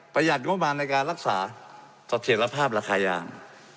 ประหยัดงบันในการรักษาตัดเหตุภาพราคายาง